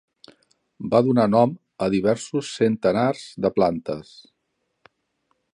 Va donar nom a diversos centenars de plantes.